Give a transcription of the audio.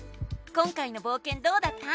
今回のぼうけんどうだった？